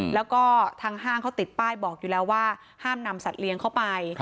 แล้วก็ทางห้างเขาติดป้ายบอกอยู่แล้วว่าห้ามนำสัตว์เลี้ยงเข้าไป